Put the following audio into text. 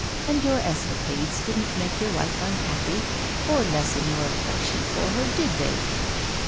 And your escapades didn't make your wife unhappy, or lessen your affection for her ; did they?"